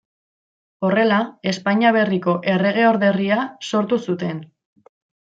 Horrela, Espainia Berriko Erregeorderria sortu zuten.